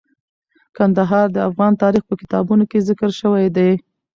کندهار د افغان تاریخ په کتابونو کې ذکر شوی دی.